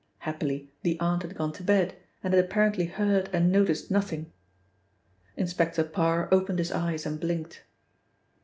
Happily the aunt had gone to bed, and had apparently heard and noticed nothing. Inspector Parr opened his eyes and blinked.